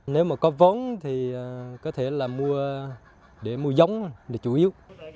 nếu mà có vốn thì có thể là để mua giống là chủ yếu